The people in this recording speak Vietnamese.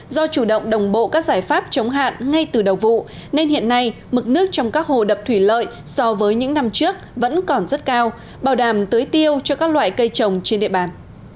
do chủ động đồng bộ các giải pháp chống hạn ngay từ đầu vụ nên hiện nay mực nước trong các hồ đập thủy lợi so với những năm trước vẫn còn rất cao bảo đảm tưới tiêu cho các loại cây trồng trên địa bàn